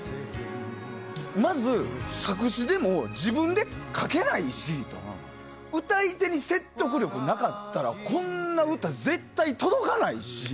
まず作詞でも自分で書けないし歌い手に説得力がなかったらこんな歌、絶対に届かないし。